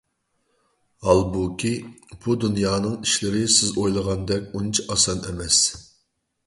ھالبۇكى، بۇ دۇنيانىڭ ئىشلىرى سىز ئويلىغاندەك ئۇنچە ئاسان ئەمەس.